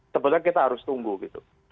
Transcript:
sebenarnya kita harus tunggu gitu